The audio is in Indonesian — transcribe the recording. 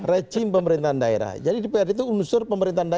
rejim pemerintahan daerah jadi dpr itu unsur pemerintahan daerah